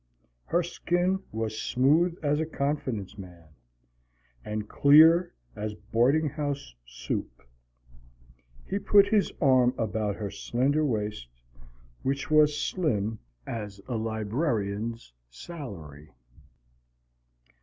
Her skin was smooth as a confidence man and clear as boarding house soup. He put his arm about her slender waist, which was slim as a librarian's salary.